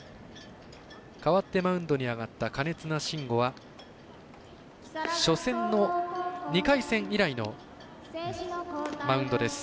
代わってマウンドに上がった金綱伸吾は初戦の２回戦以来のマウンドです。